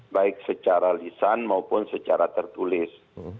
baik secara lisan maupun secara tertulis